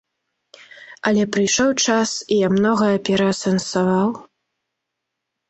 Але прыйшоў час, і я многае пераасэнсаваў.